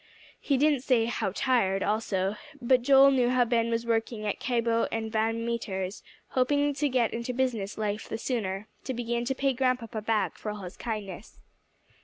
He didn't say "how tired" also, but Joel knew how Ben was working at Cabot and Van Meter's, hoping to get into business life the sooner, to begin to pay Grandpapa back for all his kindness.